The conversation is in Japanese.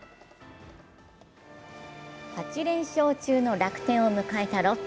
８連勝中の楽天を迎えたロッテ。